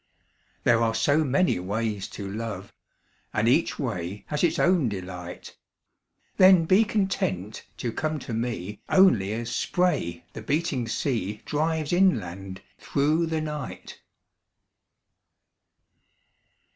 There are so many ways to love And each way has its own delight Then be content to come to me Only as spray the beating sea Drives inland through the night.